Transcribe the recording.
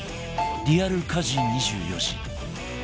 リアル家事２４時